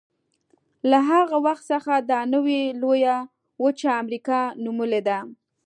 له هغه وخت څخه دا نوې لویه وچه امریکا نومولې ده.